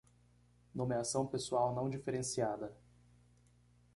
Nomeação pessoal não diferenciada